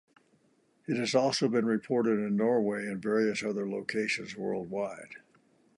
It has also been reported in Norway and various other locations worldwide.